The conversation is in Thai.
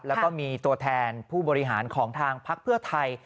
แล้วก็มีตัวแทนผู้บริหารของทางพักเพื่อไทย